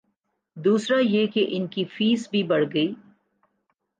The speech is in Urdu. دوسرا یہ کہ ان کی فیس بھی بڑھ گئی۔